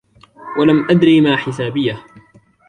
وَلَمْ أَدْرِ مَا حِسَابِيَهْ